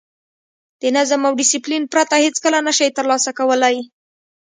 د نظم او ډیسپلین پرته هېڅکله نه شئ ترلاسه کولای.